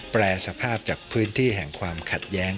แปรสภาพจากพื้นที่แห่งความขัดแย้ง